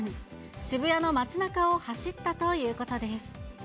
渋谷の街なかを走ったということです。